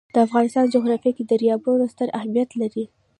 د افغانستان جغرافیه کې دریابونه ستر اهمیت لري.